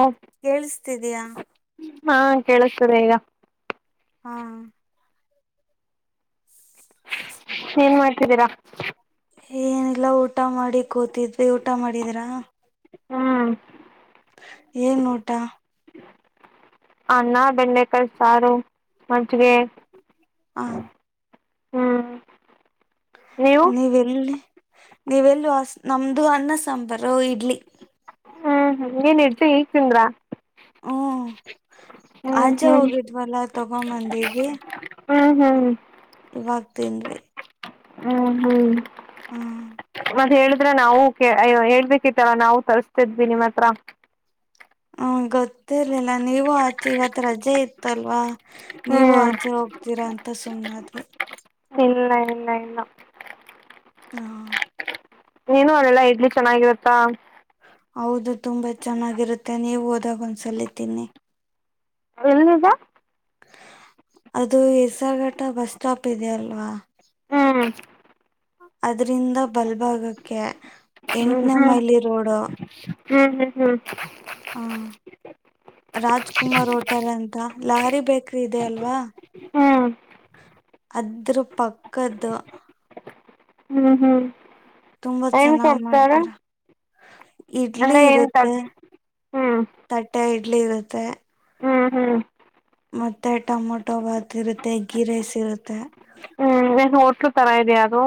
Okay ಕೇಳಸ್ತಿದಯಾ ಹಾ ಕೇಳಸ್ತರ ಈಗ ಹಾ [inaudible] ಏನ್ ಮಾಡ್ತಿದ್ದೀರಾ ಏನಿಲ್ಲಾ ಊಟ ಮಾಡಿ ಕೂತಿದ್ವಿ ಊಟ ಮಾಡಿದ್ರಾ ಹ್ಮ್ ಏನ್ ನೋಟ ಅನ್ನ ಬೆಳ್ಳೆಕಾಯಿ ಸಾರು ಮಜ್ಗೆ ಹಾ ಹ್ಮ್ ನೀವು ನೀವೆಲ್ಲಿ ನೀವೆಲ್ಲ ನಮ್ದು ಅನ್ನ ಸಾಂಬಾರ್ ಇಡ್ಲಿ ಹ್ಞೂ ಹ್ಞ ಏನು ಇಡ್ತು ಈಗಿಂದರಾ ಹ್ಮ ಹ್ಮ್ ಆಚೆ ಹ್ಮ್ ಹೋಗಿದ್ವಲ್ಲ ತಗೊಂಬಂದಿದ್ವಿ ಹ್ಞೂ ಹ್ಞ ಹ್ಞ ಇವಾಗ್ತಿಂದವಿ ಹ್ಮ ಹ್ಮ್ ಹ್ಮ್ ಮತ್ತೆ ಹೇಳ ಆದ್ರೆ ನಾವು ಹೇಳ್ಬೇಕಿತ್ತರ ನಾವು ತರ್ರಿಸ್ತಿದ್ವಿ ನಿಮ್ಮ ಹತ್ರ ಹ್ಮ ಗೊತ್ತಿರ್ಲಿಲ್ಲ ನೀವು ಆಚೆ ಇವತ್ ರಜೆ ಇತ್ತಲ್ವಾ ನೀವು ಹ್ಮ್ ಆಚೆ ಹೋಗ್ತೀರಾ ಅಂತ ಸುಮ್ನಾದ್ರ ಇಲ್ಲ ಇಲ್ಲ ಇಲ್ಲ ಹಾ ನೀನು ಅಲ್ಲ ಇಡ್ಲಿ ಚೆನ್ನಾಗಿರತ್ತಾ ಹೌದು ತುಂಬಾ ಚೆನ್ನಾಗಿರುತ್ತೆ ನೀವು ಹೋದಾಗ ಒಂದ್ ಸಲಿತೀನಿ ಎಲ್ಲದಾ ಅದು ಹೆಸರ್ಘಟ್ಟ ಬಸ್ ಸ್ಟಾಪ್ ಇದೆ ಅಲ್ವಾ. ಹ್ಮ್. ಅದ್ರಿಂದ ಬಲ್ಭಾಗಕ್ಕೆ ಹ್ಮ್ ಎಂಟ್ನೆ ಮೈಲಿ ರೋಡು. ಹ್ಮ್ ಹ್ಮ್ ಹ್ಮ್. ಹಾ. ರಾಜ್ ಕುಮಾರ್ ಹೋಟೆಲ್ ಅಂತ ಲಹಾರಿ ಬೇಕ್ರಿ ಇದೆ ಅಲ್ವಾ. ಹ್ಮ್ ಅದ್ರ ಪಕ್ಕದ್ದು. ಹ್ಮ್ ಹ್ಮ್. ತುಂಬ ಏನ್ ಚೆನ್ನಾಗ್ ಕೊಡ್ತಾರೆ ಮಾಡ್ತಾರ. ಇಡ್ಲಿ ಅಂದ್ರೆ ಏನ್ ಇರತ್ತೆ ಹ್ಮ್ ತಟ್ಟೆ ಇಡ್ಲಿ ಇರತ್ತೆ. ಹ್ಮ್ ಹ್ಮ್. ಮತ್ತೆ ಟೊಮೊಟೊ ಭಾತ್ ಇರುತ್ತೆ ಗೀ ರೈಸ್ ಇರುತ್ತೆ. ಹ್ಮ್ಮ್ ಏನ್ ಹೋಟ್ಲು ತರ ಇದೆಯಾ ಅದು.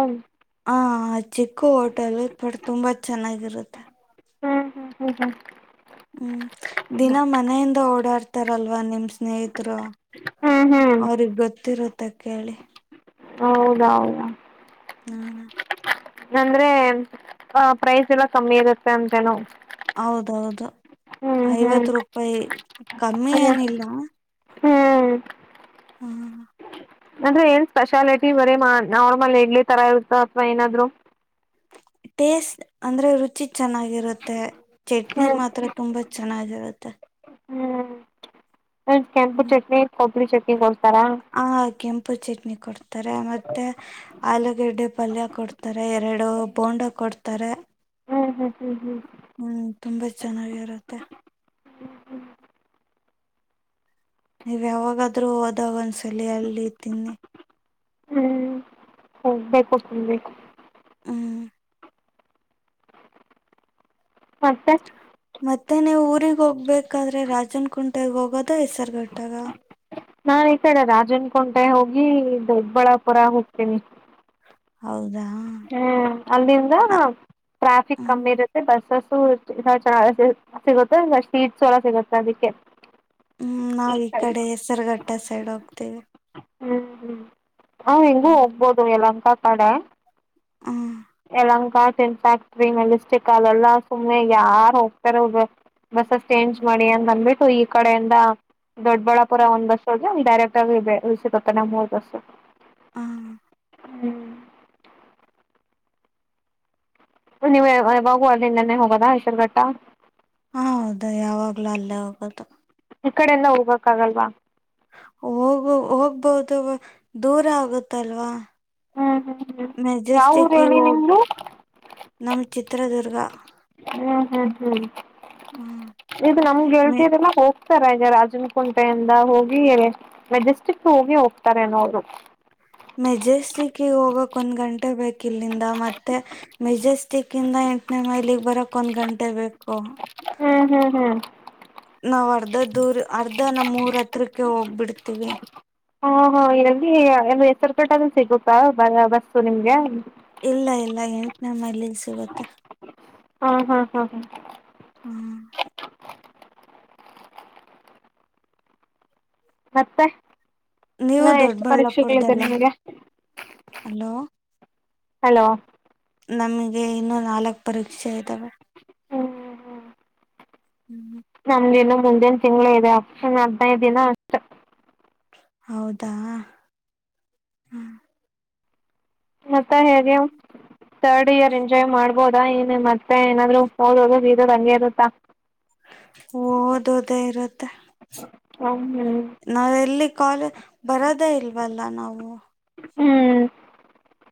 ಹ ಚಿಕ್ಕು ಹೋಟೆಲ್ಲು ಬಟ್ ತುಂಬಾ ಚೆನ್ನಾಗಿರುತ್ತೆ. ಹ್ಮ್ ಹ್ಮ್ ಹ್ಮ್ ಹ್ಮ್. ಹ್ಮ್ ದಿನ ಮನೆಯಿಂದ ಓಡಾಡ್ತಾರಲ್ವಾ ನಿಮ್ಮ್ ಸ್ನೇಹಿತ್ರು. ಹ್ಮ್ ಹ್ಮ್ ಅವ್ರಿಗ್ ಗೊತ್ತಿರುತ್ತ ಕೇಳಿ. ಹೌದೌದಾ. ಹ್ಮ. ಅಂದ್ರೆ ಆ ಪ್ರೈಸ್ ಎಲ್ಲ ಕಮ್ಮಿ ಇರುತ್ತೆ ಅಂತೇನು. ಹೌದೌದು ಹ್ಮ್ ಹ್ಮ್ ಐವತ್ ರೂಪಾಯಿ ಕಮ್ಮಿ ಹ್ಮ್ ಏನಿಲ್ಲ. ಹ್ಮ್. ಹಾ. ಅಂದ್ರೆ ಏನ್ ಸ್ಪೆಷಾಲಿಟಿ ಬರೀ ನ ನಾರ್ಮಲ್ ಇಡ್ಲಿ ತರ ಇರುತ್ತ ಅತ್ವ ಏನಾದ್ರು. ಟೇಸ್ಟ್ ಅಂದ್ರೆ ರುಚಿ ಚೆನ್ನಾಗಿರುತ್ತೆ ಚಟ್ನಿ ಹ್ಮ್ ಮಾತ್ರ ತುಂಬಾ ಚೆನ್ನಾಗಿರುತ್ತೆ. ಹ್ಮ್ ಒ ಕೆಂಪ ಚಟ್ನಿ ಕೊಬ್ರಿ ಚಟ್ನಿ ಕೊಡ್ತಾರಾ. ಹಾ ಕೆಂಪು ಚಟ್ನಿ ಕೊಡ್. ಕೊಡ್ತಾರೆ ಮತ್ತೆ ಆಲೂಗೆಡ್ಡೆ ಪಲ್ಯ ಕೊಡ್ತಾರೆ ಎರಡು ಬೋಂಡಾ ಕೊಡ್ತಾರೆ. ಹ್ಮ್ಮ್ ಹ್ಮ್ಮ್ ಹ್ಮ್ಮ್ ಹ್ಮ್ಮ್. ಹ್ಮ್ ತುಂಬಾ ಚನ್ನಾಗಿರುತ್ತೆ. ಹ್ಮ ಹ್ಮ. ನಿವ್ ಯಾವಾಗಾದ್ರೂ ಹೋದಾಗ್ ಒಂದ್ಸಲಿ ಅಲ್ಲಿ ತಿನ್ನಿ. ಹ್ಮ್ ಒಗ್ಬೇಕು ತಿನ್ಬೇಕು. ಹ್ಮ್ಮ್. ಮತ್ತೆ. ಮತ್ತೆ ನೀವು ಊರಿಗ್ ಹೋಗ್ಬೇಕಾದ್ರೆ ರಾಜನ್ ಕುುಂಟೆಗ್ ಹೋಗದ ಹೆಸ್ರುಗಟ್ಟಾಗ. ನಾನ್ ಈತಡೆ ರಾಜನ್ಕಂಟೆ ಹೋಗಿ ದೊಡ್ಬಳ್ಳಾಪುರ ಹೋಗ್ತಿವಿ. ಹೌದಾ. ಹ್ಮ್ ಅಲ್ಲಿಂದ ಟ್ರಾಫಿಕ್ ಹ ಕಮ್ಮಿ ಇರುತ್ತೆ ಬಸ್ಸಸು. [unintelligible] ಸಿಗುತ್ತ ಮತ್ ಸಿಟ್ಸ್ ಎಲ್ಲ ಸಿಗುತ್ತೆ ಅದಿಕೆ. ಹ್ಮ್ ನಾವ್ ಈಕಡೆ ಹೆಸ್ರುಗಟ್ಟ ಸೈಡ್ ಹೋಗ್ತಿವಿ. ಹ್ಮ್ ಹ್ಮ್ ಹ್ಮ್ಮ್ ಹಿಂಗೂ ಹೋಗ್ಬೋದು ಎಲಂಕ ಕಡೆ. ಹಾ. ಎಲಂಕಾ ಚನ್ ಫ್ಯಾಕ್ಟ್ರಿ ಮೆಲಿಸ್ಟಿಕ್ ಅಲೆಲ್ಲಾ ಸುಮ್ನೆ ಯಾರ್ ಹೋಗ್ತಾರೆ. ಬಸ್ಸಸ್ ಚೇಂಜ್ ಮಾಡಿ ಅಂತ ಬಂದ್ಬಿಟ್ಟು ಇಕಡೆಯಿಂದ ದೊಡ್ಬಳ್ಳಾಪುರ ಒಂದ್ ಬಸ್. [unintelligible] ಹಾ ಹ್ಮ್ ನೀವು ಯಾವ್ ಯಾವಾಗೂ ಅಲ್ಲಿಂದನೇ ಹೋಗೋದಾ ಹೆಸರುಘಟ್ಟ. ಹ ಹೌದು ಯಾವಾಗ್ಲೂ ಅಲ್ಲೇ ಹೋಗದು. ಈ ಕಡೆಯಿಂದ ಹೋಗಕ್ಕಾಗಲ್ವಾ? ಹೋಗ ಹೋಗ್ಬಹದು ದೂರ ಆಗುತ್ತಲ್ವಾ. ಹ್ಮ್ ಹ್ಮ್ ಹ್ಮ್ ಯಾವ ಊರ್ ಮೆಜೆಸ್ಟಿಕ್ ಹೇಳಿ ಹೋಗ್ ನಿಮ್ದು ನಮ್ ಚಿತ್ರದುರ್ಗ. ಹ್ಮ್ ಹ್ಮ್ ಹ್ಮ್ ಹ್ಮ್ ಇದು ನಮ್ಗೆ ಮೆ ಹೇಳ್ತಿದೆಲ್ಲ ಹೋಗ್ ಹೋಗ್ತಾರ ಈಗ ರಾಜನ ಕುುಂಟೆಯಿಂದ ಹೋಗಿ ಮೆಜೆಸ್ಟಿಕ್ ಹೋಗಿ ಹೋಗ್ತಾರೆನೋ ಅವ್ರು. ಮೆಜೆಸ್ಟಿಕ್ಗೆ ಹೋಗಕ್ ಒಂದ್ ಗಂಟೆ ಬೇಕ್ ಇಲ್ಲಿಂದ ಮತ್ತೆ ಮೆಜೆಸ್ಟಿಕ್ ಇಂದ ಎಂಟ್ನೇ ಮೈಲಿಗೆ ಬರಕ್ ಒಂದ್ ಗಂಟೆ ಬೇಕು. ಹ್ಮ್ ಹ್ಮ್ ಹ್ಮ್ ನಾವು ಅರ್ಧ ದೂರ ಅರ್ಧ ನಮ್ಮೂರ ಹತ್ರಿಕ್ಕೆ ಹೋಗ್ಬಿಡ್ತೀವಿ. ಹಾಂ ಹಾಂ ಇಲ್ಲಿ ಹೆಸರು ಪೇಟ್ಟಾದೂ ಸಿಗುತ್ತಾ ಬ ಆ ಬಸ್ಸು ನಿಮಗೆ. ಇಲ್ಲ ಇಲ್ಲ ಎಂಟನೇ ಮೈಲಲ್ ಸಿಗುತ್ತೆ. ಹಾಂ ಹಾಂ ಹಾಂ ಹಾಂ ಹ್ಮ್ ಮತ್ತೆ ನೀವು ಇನ್ನೂ ಎಷ್ಟು ಪರೀಕ್ಷೆಗಳಿದೆ ದೊಡ್ಡಬಳ್ಳಾಪುರದಲ್ಲ ನಿಮಗೆ? ಅಲೋ ಹಲೋ ನಮ್ಗೆ ಇನ್ನೂ ನಾಲ್ಕ್ ಪರೀಕ್ಷೆ ಇದ್ದಾವೆ. ಹ್ಮ್ ಹ್ಞ ಹ್ಮ್ ನಮ್ದ ಇನ್ನು ಮುಂದಿನ್ ತಿಂಗಳು ಇದೆ ಆಪ್ಷನ್ ಹದಿನೈದು ದಿನ ಹೌದಾ? ಮತ್ತ [unintelligible] ಥರ್ಡ್ ಇಯರ್ ಎಂಜಾಯ್ ಮಾಡ್ಬೋದಾ ಎನ್ ಮತ್ತೆ ಏನಾದ್ರು ಓದೋದು ಗೀದೋದು ಹಂಗೆ ಇರುತ್ತಾ. [inaudible] ಓದೋದೇ ಇರುತ್ತೆ ಹ್ಮ್ ನಾವ್ ಎಲ್ಲಿ ಕಾಲೇ ಬರೋದೇ ಇಲ್ವಲ್ಲ ನಾವು. ಹ್ಮ್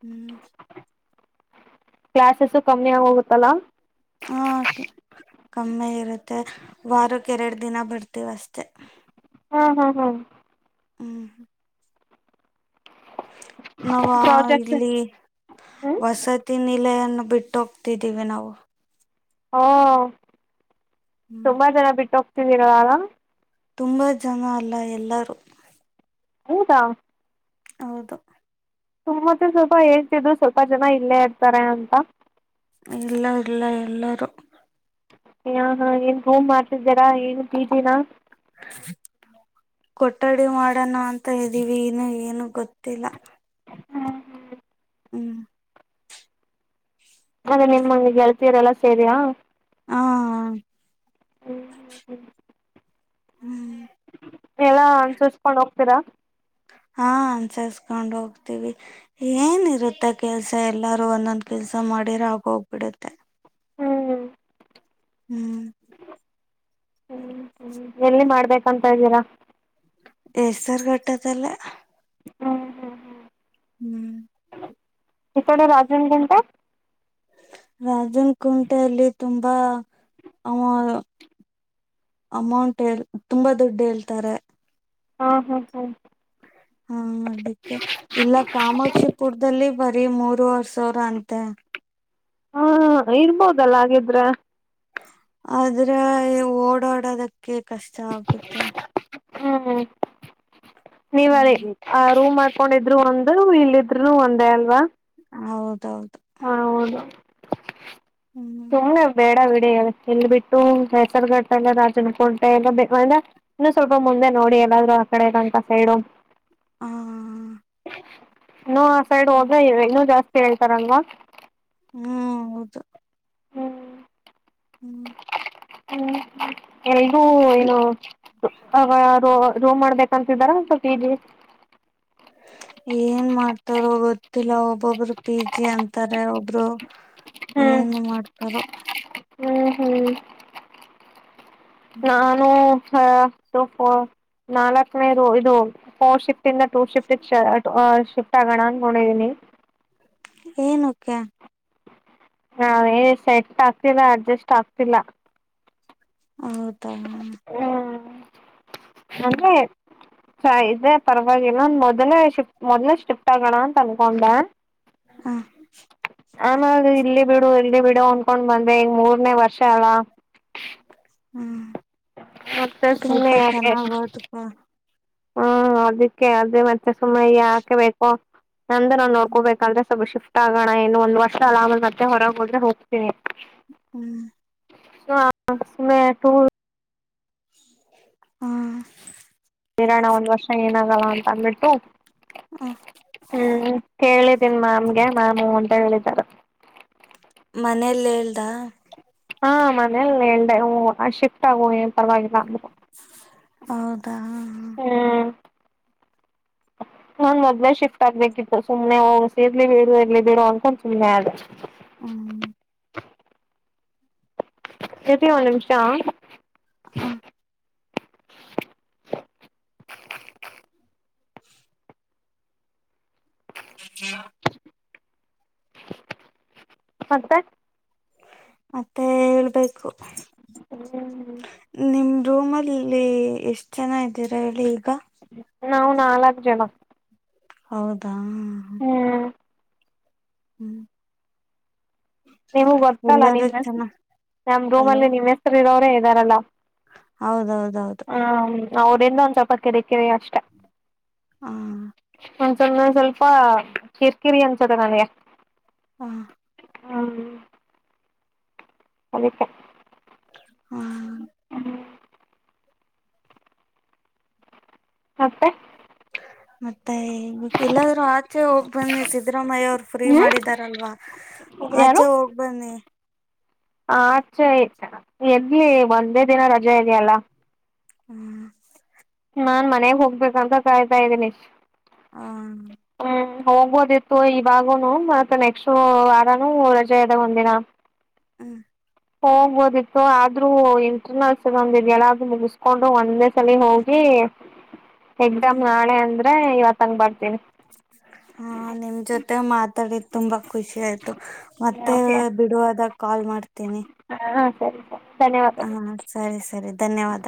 ಹ್ಮ್ ಕ್ಲಾಸಸು ಕಮ್ಮಿ ಆಗೋಗುತ್ತಲ್ಲಾ. ಹಾ ಕಮ್ಮಿ ಇರುತ್ತೆ ವಾರಕ್ಕೆ ಎರಡ್ ದಿನ ಬರ್ತೀವ್ ಅಷ್ಟೇ. ಹಾಂ ಹಾಂ ಹಾಂ ಹ್ಞ ನಾವ್ ಪ್ರಾಜೆಕ್ಟ್ಸ್ ಇಲ್ಲಿ ಹ್ಮ ವಸತಿ ನಿಲಯನ್ನು ಬಿಟ್ಟೊಗ್ತಿದ್ದೀವಿ ನಾವು. ಆ ಹ್ಮ್ ತುಂಬ ಜನ ಬಿಟ್ಟ ಹೋಗ್ತಿದರ ಅಲ. ತುಂಬ ಜನ ಅಲ್ಲ ಎಲ್ಲರು. ಹೌದಾ? ಹೌದು. ಸುಮತಿ ಸ್ವಲ್ಪ ಹೇಳ್ತಿದ್ರು ಸ್ವಲ್ಪ ಜನ ಇಲ್ಲೇ ಇರ್ತಾರೆ ಅಂತ. ಇಲ್ಲ ಇಲ್ಲ ಎಲ್ಲರೂ. ಯ ಹಾಂ ಏನ್ರೂ ಮಾಡ್ತಿದ್ದೀರಾ ಏನು ಪಿಜಿ ನ. ಕೊಠಡಿ ಮಾಡೋಣ ಅಂತ ಇದ್ದೀವಿ ಇನ್ನು ಏನು ಗೊತ್ತಿಲ್ಲ. ಹಾಂ ಹ ಹ್ಮ್. ಅದೇ [inaudible] ಸೇರಿಯಾ. ಹಾ ಹಾ. [unintelligible] ಹ್ಮ್. ಎಲ್ಲ ಅನ್ಸರುಸ್ಕೊಂಡ್ ಹೋಗ್ತೀರಾ. ಹಾ ಅನ್ಸರಸ್ಕೊಂಡ್ ಹೋಗ್ತೀವಿ. ಏನ್ ಇರುತ್ತೆ ಕೆಲ್ಸ ಎಲ್ಲಾರೂ ಒಂದೊಂದ್ ಕೆಲ್ಸ ಮಾಡಿರಾಗೋಗ್ಬಿಡುತ್ತೆ. ಹ್ಮ್ ಹ್ಮ್. ಎಲ್ಲಿ ಮಾಡ್ಬೇಕಂತ ಇದಿರಾ. ಹೆಸರ್ಘಟ್ಟ ದಲ್ಲೇ. ಹ ಹ ಹ್ಮ್ ಇಕಡೆ ರಾಜನ್ಗುಂಟೆ. ರಾಜನ್ಕುಂಟೆ ಅಲ್ಲಿ ತುಂಬಾ ಆ. ಅಮೌಂಟ್ ಹೆಳ್ ತುಂಬಾ ದುಡ್ ಹೇಳ್ತಾರೆ. ಹಾ ಹಾ ಹಾ. ಹಾ ಅದಿಕ್ಕೆ ಇಲ್ಲ ಕಾಮಾಕ್ಷಿಪುರ್ದಲ್ಲಿ ಬರಿ ಮೂರುವರ್ ಸಾವ್ರ ಅಂತೆ. ಹಾ ಇರ್ಬೋದಲ್ಲ ಹಾಗಿದ್ರೆ. ಆದ್ರೆ ಓಡಾಡುದುಕ್ಕೆ ಕಷ್ಟ ಆಗುತ್ತೆ. ಹ್ಮ್ ನೀವ್. ಹ್ಮ್ ಆ ರೂಮ್ ಮಾಡಾಕೊಂಡಿದ್ರು ಒಂದು ಇಲ್ಲಿದ್ರು ಒಂದೇ ಅಲ್ವಾ. ಹೌದೌದು. ಹ ಹೌದು ಹ್ಮ್ ಸುಮ್ನೆ ಬೇಡ ಬಿಡಿ ಅದು. ಇಲ್ ಬಿಟ್ಟು ಹೆಸರ್ಘಟ್ಟ ಇಲ್ಲ ರಾಜನ್ಕುಂಟೆ ಇಲ್ಲ ಇನ್ನು ಸ್ವಲ್ಪ ಮುಂದೆ ನೋಡಿ ಎಲ್ಲಾದ್ರೂ ಆಕಡೆ ಯೆಲಾಂಕ ಸೈಡು. ಹ ಹ ಹಾ. ಹೊ ಆ ಸೈಡ್ ಹೋಗಿ ಇನ್ನೂ ಜಾಸ್ತಿ ಹೇಳ್ತಾರಲ್ವಾ. ಹ್ಮ್ ಹೌದು. ಹ್ಮ್. ಹ್ಮ್ ಹ್ಮ್ ಏನು ಆ ರೋ ರೋ ಮಾಡ್ಬೇಕ್. ಅಂತಿದಾರ ಮತ ಪಿಜಿ. ಏನ್ ಮಾಡ್ತಾರೋ ಗೊತ್ತಿಲ್ಲ ಒಬ್ಬೊಬ್ರು ಪಿ ಜಿ ಅಂತಾರೆ ಒಬ್ರು. ಹ್ಮ್ ಏನ್ ಮಾಡ್ತಾರೋ. ಹ್ಮ್ ಹ್ಮ್ ನಾನು ಹಾ ಹೊ ಹೊ ನಾಲ್ಕನೇ ರು ಇದು. [unintelligible] ಏನುಕ್ಕೆ. ಹಾ ಹೇ ಸೆಟ್ ಆಗ್ತಿಲ್ಲ ಅಡ್ಜಸ್ಟ್ ಆಗ್ತಿಲ್ಲ. ಹೌದಾ. ಹ್ಮ್ ಅದೇ. [inaudible] ಚಾ ಇದ ಪರ್ವಾಗಿಲ್ಲ ಮೊದಲೇ ಶಿಫ್ಟ್ ಮೊದಲೇ ಶ್ರಿಫ್ಟ್ ಆಗಣ ಅಂತ್ ಅನ್ಕೊಂಡ. ಹಾ. ನಾನು ಇರ್ಲಿ ಬಿಡು ಇರ್ಲಿ ಬಿಡು ಅನ್ಕೊಂಡ್ ಬಂದೆ ಇಗ್ ಮೂರ್ನೇ ವರ್ಷ ಅಲ್ಲ. ಹ್ಮ್ ಮತ್ತೆ ಸ್ವಲ್ಪ ಸುಮ್ನೆ ಯಾಕೆ ಚೆನ್ನಾಗ್ ಓದುಪ. ಅದುಕ್ಕೆ ಸುಮ್ನೆ ಯಾಕ್ರೀ ಯಪ್ಪ ನಂದು ನನ್ ನೋಡ್ಕೊಬೇಕಲ್ವಾ ಸ್ವಲ್ಪ ಶಿಫ್ಟ್. ನೋ ಇನ್ ಒಂದ್ ವರ್ಷ ನಾನು ಬರ್ತಿನ್ ಹೊರಗ್ ಓದ್ರು ಹೋಗ್ತೀನಿ. ಹ್ಮ್. ಹ [unintelligible] ಹ್ಮ. ಇರಾಣ ಒಂದ್ ವರ್ಷ ಏನಾಗಲ್ಲ ಅಂತ ಅಂದ್ಬಿಟ್ಟು ಹ. ಹ್ಮ್ ಕೇಳಿದೆ ಮ್ಯಾಮ್ಗೆ ಮ್ಯಾಮ ಹೂ ಅಂತ ಹೇಳಿದ್ದಾರೆ. ಮನೇಲ್ಲಿ ಹೇಳ್ದ? ಹಾ ಮನೇಲಿ ಹೇಳ್ದೆ ಹಾ ಹೂ ಶಿಫ್ಟ್ ಆಗು ಏನ ಪರವಾಗಿಲ್ಲ ಅಂದ್ರು. ಹೌದಾ ಹ್ಮ್. [inaudible] ನಾನ್ ಮೊದ್ಲೆ ಶಿಫ್ಟ್ ಆಗ್ಬೇಕಿತ್ತು ಸುಮ್ನೆ ಹೋಗಿ ಇರ್ಲಿ ಬಿಡು ಇರ್ಲಿ ಬಿಡು ಅಂತ ಸುಮ್ಮನೆ ಆದೆ. ಹ್ಮ್. ಇರ್ರಿ ಒಂದ ನಿಮಿಷ ಹಾ [inaudible] [inaudible] [unintelligible] ಮತ್ತೆ ಹೇಳ್ಬೇಕು. ಹ್ಮ್ ನಿಮ್ ರೂಮಲ್ಲಿ ಎಷ್ಟ್ ಜನ ಇದ್ದೀರಾ ಹೇಳಿ ಈಗ? ನಾವು ನಾಲ್ಕು ಜನ. ಹೌದಾ. ಹ್ಮ. ಹ್ಮ್. ನಿಮ್ಮ ಗೊತ್ತಲ್ಲ ಎಲ್ಲಾರೂ ನಿಮ್ಮ್ ಹೆ ಚೆನ್ನ ನಮ ರೂಮ್ ಅಲೋ ಅಲ್ಲಿ ನಿಮ್ಮ್ ಹೆಸರು ಇರೋರೇ ಇದ್ದಾರಲ್ಲ. ಹೌದೌದೌದು. ಅವ್ರಂದ ಒಂದು ಸ್ವಲ್ಪ ಕಿರಿಕಿರಿ ಅಷ್ಟೇ. ಹಾ. ಒಂದ ಸಮ್ನೆ ಸ್ವಲ್ಪ ಕಿರಿಕಿರಿ ಅನ್ಸದೆ ನಂಗೆ. ಹಾ. ಹಾ ಅದಕ್ಕೆ ಹಾ. [inaudible] ಮತ್ತೆ ಮತ್ತೆ ಎಲ್ಲಾದ್ರೂ ಆಚೆ ಹೋಗ್ ಬನ್ನಿ ಸಿದ್ದರಾಮಯ್ಯ ಅವ್ರು ಫ್ರೀ ಮಾಡಿದಾರಲ್ಲ. ಯಾರು ಆಚೆ ಹೋಗ್ ಬನ್ನಿ. ಆಚೆ ಎಲ್ಲಿ ಒಂದೇ ದಿನ ರಜೆ ಇದೆ ಅಲಾ. ಹ್ಮ್. ನಾನ್ ಮನೆಗ್ ಹೋಗ್ಬೇಕಂತ ಕಾಯ್ತಾ ಇದ್ದೀನಿ. ಹಾ ಹ್ಮ್ ಹೋಗ್ಬೋದಿತ್ತು ಇವಾಗುನು ಮತ್ತು ನೆಕ್ಸ್ಟ್ ವಾರಾನೂ ರಜೆ ಇದ್ದಾಗ ಒಂದ ದಿನ ಹ್ಮ. ಹೋಗ್ಬೋದಿತ್ತು ಆದ್ರೂ ಇಂಟರ್ನಲ್ಸ್ ಒಂದ ಇದೆ ಅಲಾ ಅದನ್ ಮುಗಿಸ್ಕೊಂಡು ಒಂದೇ ಚಲಿ ಹೋಗಿ ಎಕ್ಸಾಮ್ ನಾಳೆ ಅಂದ್ರೆ ಇವತ್ತ ಹಂಗ ಬರ್ತೀನಿ ಹಾ ನಿಮ್ ಜೊತೆ ಮಾತಾಡಿದ ತುಂಬಾ ಖುಷಿ ಆಯ್ತು ಹಾ ಮತ್ತೆ ಬಿಡುವ ಅದಾಗ ಕಾಲ್ ಮಾಡ್ತೀನಿ. ಹಾಂ ಹಾಂ ಸರಿ. ಸರಿ ಹಾ ಧನ್ಯವಾದಗಳು ಸರಿ ಸರಿ ಧನ್ಯವಾದ.